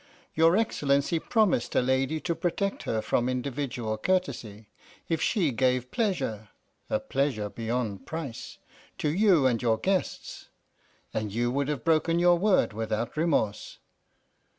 Your Excellency promised a lady to protect her from individual courtesy, if she gave pleasure a pleasure beyond price to you and your guests, and you would have broken your word without remorse.